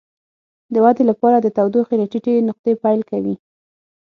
د ودې لپاره د تودوخې له ټیټې نقطې پیل کوي.